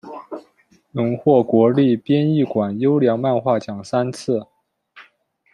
荣获国立编译馆优良漫画奖三次。